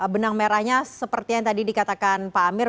benang merahnya seperti yang tadi dikatakan pak amir